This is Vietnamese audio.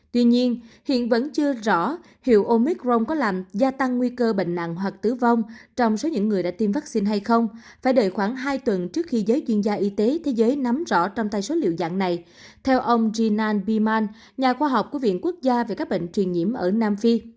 tuy nhiên hiện vẫn chưa rõ hiệu omicron có làm gia tăng nguy cơ bệnh nặng hoặc tử vong trong số những người đã tiêm vaccine hay không phải đợi khoảng hai tuần trước khi giới chuyên gia y tế thế giới nắm rõ trong tay số liệu dạng này theo ông jina biman nhà khoa học của viện quốc gia về các bệnh truyền nhiễm ở nam phi